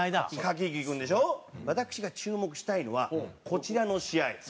私が注目したいのはこちらの試合。